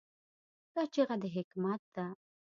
دا چیغه د حکمت ده.